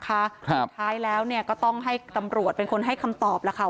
สุดท้ายแล้วเนี่ยก็ต้องให้ตำรวจเป็นคนให้คำตอบแล้วค่ะ